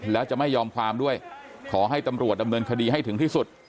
แล้วจะไม่ยอมความด้วยขอให้ตำรวจดำเนินคดีให้ถึงที่สุด